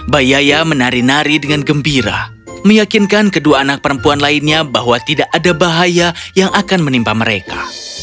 bayaya menari nari dengan gembira meyakinkan kedua anak perempuan lainnya bahwa tidak ada bahaya yang akan menimpa mereka